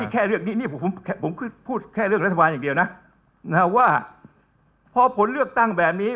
ก็ถือว่าจะจบแล้ว